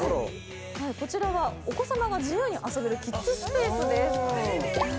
こちらはお子さまが自由に遊べるキッズスペースです。